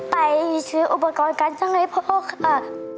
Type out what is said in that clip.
ไปซื้ออุปกรณ์การช่างให้พ่อค่ะ